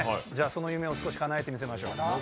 その夢を少しかなえてみせましょう。